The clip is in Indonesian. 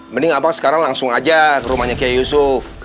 mending abang sekarang langsung aja ke rumahnya kiai yusuf